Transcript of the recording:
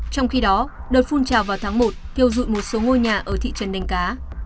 trong khi đó đợt phun trào vào tháng một thiêu dụi một số ngôi nhà ở thị trấn đánh cá